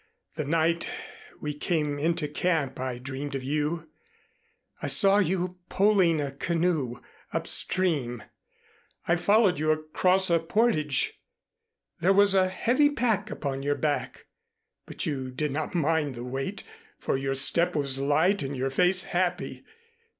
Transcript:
The night we came into camp I dreamed of you. I saw you poling a canoe upstream. I followed you across a portage. There was a heavy pack upon your back, but you did not mind the weight, for your step was light and your face happy.